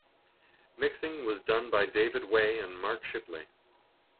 Mixing was done by David Way and Mike Shipley.